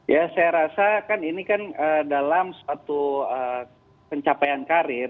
ya saya rasa kan ini kan dalam suatu pencapaian karir